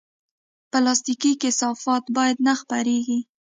پلاستيکي کثافات باید نه خپرېږي.